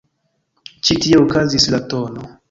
Ĉi tie okazis la tn.